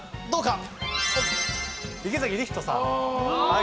池崎理人さん。